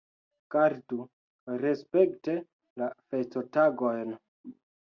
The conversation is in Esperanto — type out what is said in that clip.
Gardu respekte la festotagojn.